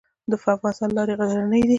د افغانستان لارې غرنۍ دي